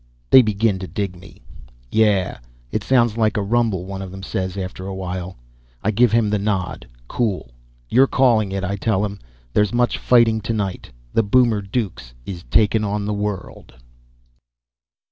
They begin to dig me. "Yeah, it sounds like a rumble," one of them says, after a while. I give him the nod, cool. "You're calling it," I tell him. "There's much fighting tonight. The Boomer Dukes is taking on the world!"